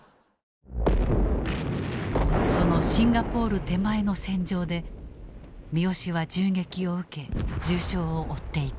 そのシンガポール手前の戦場で三好は銃撃を受け重傷を負っていた。